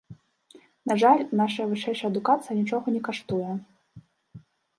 На жаль, нашая вышэйшая адукацыя нічога не каштуе.